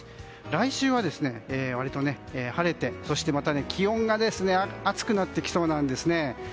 来週は割と晴れて、気温が暑くなってきそうなんですね。